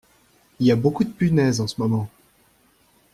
Y a beaucoup de punaises en ce moment.